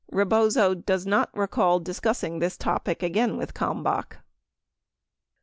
Rebozo does not recall discussing this topic again with Kalmbach.